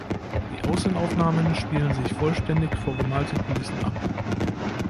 Die Außenaufnahmen spielen sich vollständig vor gemalten Kulissen ab.